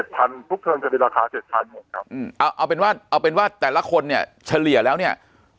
ทุกเทิร์นจะเป็นราคา๗๐๐หมดครับเอาเป็นว่าเอาเป็นว่าแต่ละคนเนี่ยเฉลี่ยแล้วเนี่ย